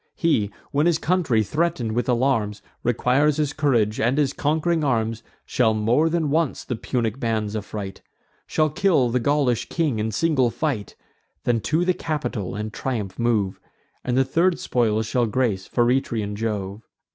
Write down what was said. He, when his country, threaten'd with alarms, Requires his courage and his conqu'ring arms, Shall more than once the Punic bands affright; Shall kill the Gaulish king in single fight; Then to the Capitol in triumph move, And the third spoils shall grace Feretrian Jove."